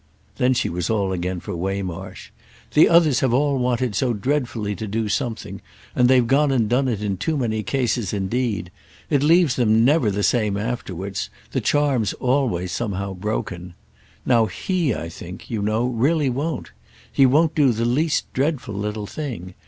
Then she was all again for Waymarsh. "The others have all wanted so dreadfully to do something, and they've gone and done it in too many cases indeed. It leaves them never the same afterwards; the charm's always somehow broken. Now he, I think, you know, really won't. He won't do the least dreadful little thing.